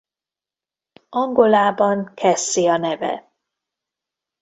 Angolában Cassai a neve.